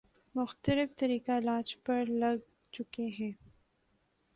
مختلف طریقہ علاج پر لگ چکے ہیں